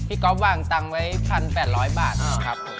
พี่ก็อฟวางตังค์ไว้๑๘๐๐บาทครับ